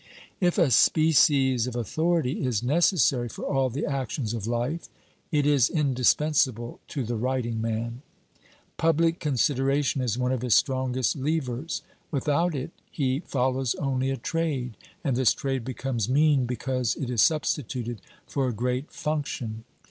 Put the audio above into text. If a species of authority is necessary for all the actions of fife, it is indispensable to the writing man. Public con sideration is one of his strongest levers; without it he follows only a trade, and this trade becomes mean because it is substituted for a great function.